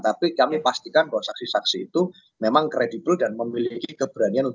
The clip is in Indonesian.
tapi kami pastikan bahwa saksi saksi itu memang kredibel dan memiliki keberanian